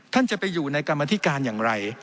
ท่านจะไปอยู่ในกรรมธิการอย่างไร